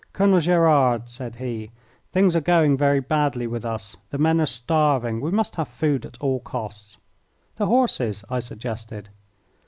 "Colonel Gerard," said he, "things are going very badly with us. The men are starving. We must have food at all costs." "The horses," I suggested.